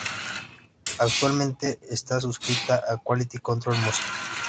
Actualmente está suscrita a Quality Control Music.